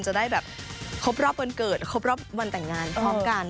จะได้แบบครบรอบวันเกิดครบรอบวันแต่งงานพร้อมกัน